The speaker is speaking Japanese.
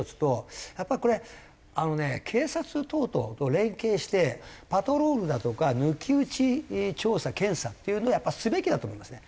やっぱりこれあのね警察等々と連携してパトロールだとか抜き打ち調査検査っていうのをやっぱりすべきだと思いますね。